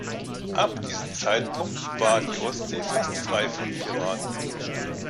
Ab diesem Zeitpunkt war die Ostsee fast frei von Piraten.